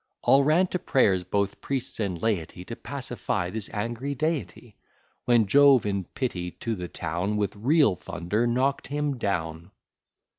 All ran to prayers, both priests and laity, To pacify this angry deity; When Jove, in pity to the town, With real thunder knock'd him down.